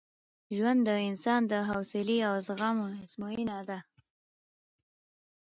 ژوند د انسان د حوصلې او زغم ازموینه ده.